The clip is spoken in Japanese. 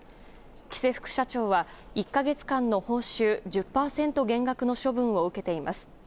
喜勢副社長は１か月間の報酬１０％減額の処分を受けています。